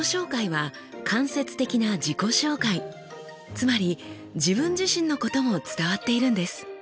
つまり自分自身のことも伝わっているんです。